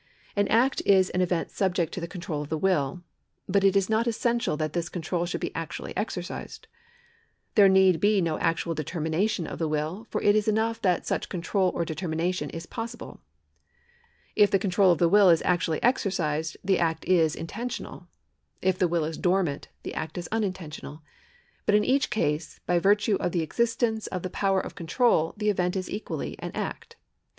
An act is an event subject to the control of the will ; but it is not essential that this control should be actually exercised ; there need be no actual determination of the will, for it is enough that such control or determination is pos sible. If the control of the will is actually exercised, the act § 128] LIABILITY 825 is intentional ; if the will is dormant, the act is unintentional ; but in each case, by virtue of the existence of tlie power of control, the event is equally an act.